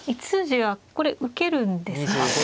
１筋はこれ受けるんですか。